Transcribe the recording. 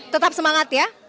tetap semangat ya